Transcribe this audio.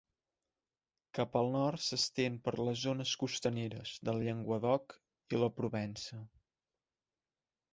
Cap al nord s'estén per les zones costaneres del Llenguadoc i la Provença.